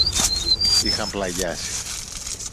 είχαν πληγιάσει.